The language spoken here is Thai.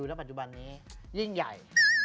หลักฝั่งตอนนี้ยิ่งใหญ่